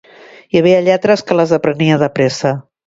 Hi havia lletres que les aprenia depresa